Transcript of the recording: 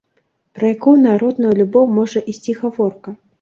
Пра якую народную любоў можа ісці гаворка?